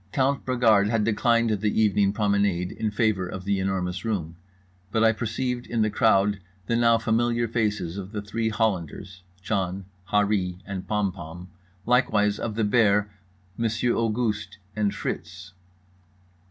Count Bragard had declined the evening promenade in favour of The Enormous Room, but I perceived in the crowd the now familiar faces of the three Hollanders—John, Harree and Pompom—likewise of The Bear, Monsieur Auguste, and Fritz.